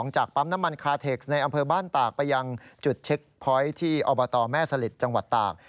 เช็คพอยท์ที่อบตแม่ศลิษฐ์จังหวัดต่าง